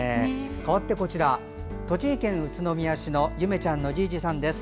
かわって、栃木県宇都宮市のゆめちゃんのじいじさんです。